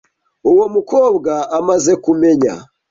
Uwo mukobwa amaze kumenya